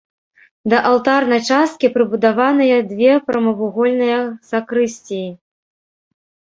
Да алтарнай часткі прыбудаваныя две прамавугольныя сакрысціі.